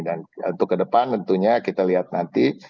dan untuk ke depan tentunya kita lihat nanti